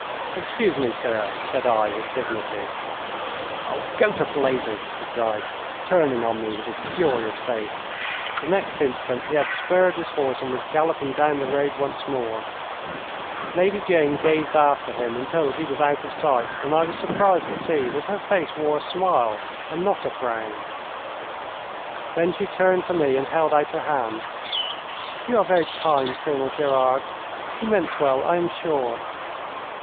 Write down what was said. "Excuse me, sir!" said I, with dignity. "Oh, go to blazes!" he cried, turning on me with his furious face. The next instant he had spurred his horse and was galloping down the road once more. Lady Jane gazed after him until he was out of sight, and I was surprised to see that her face wore a smile and not a frown. Then she turned to me and held out her hand. "You are very kind, Colonel Gerard. You meant well, I am sure."